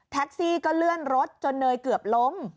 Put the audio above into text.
แท็กซี่ก็เลื่อนรถจนเนยเกือบล้ม